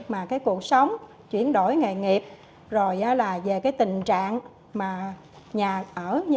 mà cũng không thể đạt được những điều này